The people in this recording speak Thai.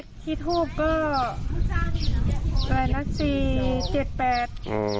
เลขที่ถูกก็